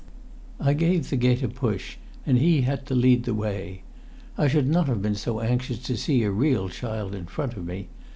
I gave the gate a push, and he had to lead the way. I should not have been so anxious to see a real child in front of me.